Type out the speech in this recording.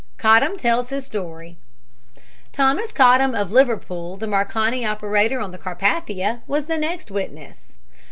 COTTAM TELLS HIS STORY Thomas Cottam, of Liverpool, the Marconi operator on the Carpathia, was the next witness.